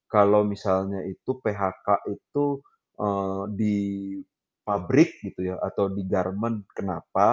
kalau misalnya itu phk itu di pabrik gitu ya atau di garmen kenapa